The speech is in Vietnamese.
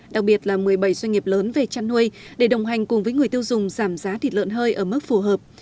đặc biệt là một mươi bảy doanh nghiệp lớn về chăn nuôi để đồng hành cùng với người tiêu dùng giảm giá thịt lợn hơi ở mức phù hợp